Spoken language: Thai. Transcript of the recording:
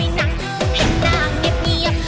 ให้นางเงียบเงียบ